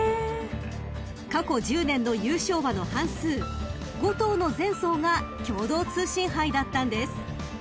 ［過去１０年の優勝馬の半数５頭の前走が共同通信杯だったんです］